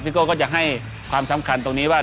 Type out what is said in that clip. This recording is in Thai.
โก้ก็จะให้ความสำคัญตรงนี้ว่า